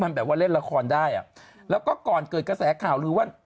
มันแบบว่าเล่นละครได้อ่ะแล้วก็ก่อนเกิดกระแสข่าวลือว่า